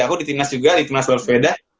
aku di timnas juga di timnas warfeda